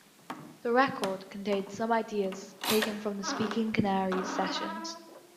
The record contained some ideas taken from the Speaking Canaries sessions.